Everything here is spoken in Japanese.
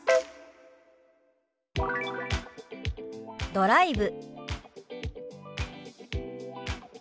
「ドライブ」。